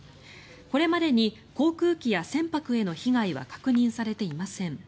これまでに航空機や船舶への被害は確認されていません。